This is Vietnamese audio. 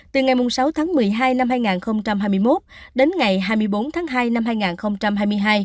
từ ngày sáu tháng một mươi hai năm hai nghìn hai mươi một đến ngày hai mươi bốn tháng hai năm hai nghìn hai mươi hai